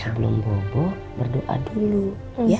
sebelum bobo berdoa dulu ya